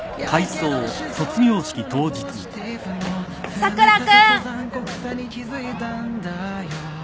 佐倉君！